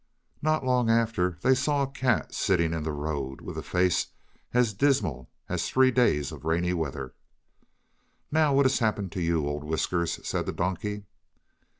Not long after they saw a cat sitting in the road, with a face as dismal as three days of rainy weather. "Now what has happened to you, old Whiskers?" said the donkey.